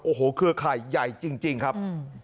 โอ้โหเครือข่ายใหญ่จริงครับ